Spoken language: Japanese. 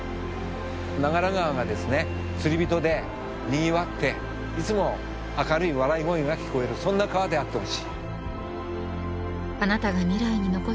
長良川がですね釣り人でにぎわっていつも明るい笑い声が聞こえるそんな川であってほしい。